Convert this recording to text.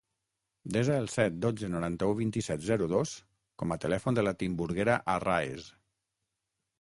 Desa el set, dotze, noranta-u, vint-i-set, zero, dos com a telèfon de la Timburguera Arraez.